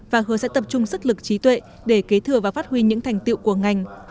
và hứa sẽ tập trung sức lực trí tuệ để kế thừa và phát huy những thành tiệu của ngành